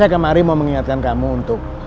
justru saya kemarin mau mengingatkan kamu untuk